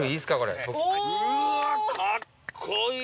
うわかっこいい！